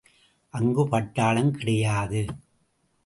அங்கு பட்டாளம் கிடையாது.